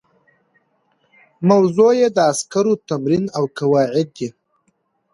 موضوع یې د عسکرو تمرین او قواعد دي.